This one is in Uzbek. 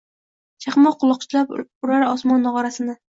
Chaqmoq qulochlab urar osmon nog‘orasini